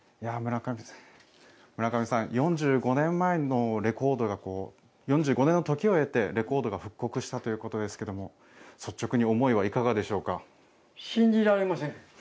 村上さん、４５年前のレコードが、４５年の時を経て、レコードが復刻したということですけれども、率直に思いはいかがでしょ信じられません。